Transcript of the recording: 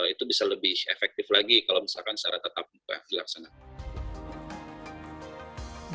itu bisa lebih efektif lagi kalau misalkan secara tatap muka dilaksanakan